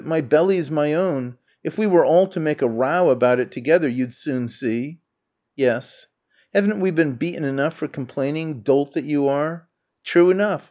My belly's my own. If we were all to make a row about it together, you'd soon see." "Yes." "Haven't we been beaten enough for complaining, dolt that you are?" "True enough!